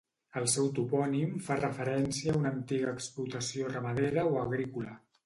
El seu topònim fa referència a una antiga explotació ramadera o agrícola.